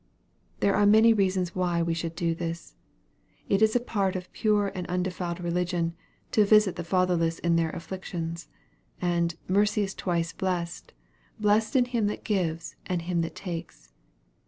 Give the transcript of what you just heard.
There are many reasons why we should do this. It is a part of "pure and undefiled religion" to "visit the fatherless in their afflictions." And "mercy is twice blest; blest in him that gives, and him that takes."